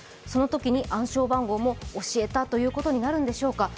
そのときに暗証番号も教えたということになるんでしょうか。